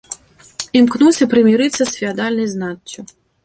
Імкнуўся прымірыцца з феадальнай знаццю.